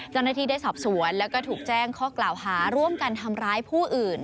ได้สอบสวนแล้วก็ถูกแจ้งข้อกล่าวหาร่วมกันทำร้ายผู้อื่น